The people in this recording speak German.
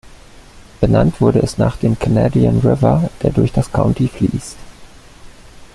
Benannt wurde es nach dem Canadian River, der durch das County fließt.